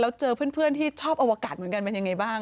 แล้วเจอเพื่อนที่ชอบอวกาศเหมือนกันเป็นยังไงบ้าง